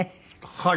はい。